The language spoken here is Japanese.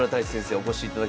お越しいただきました。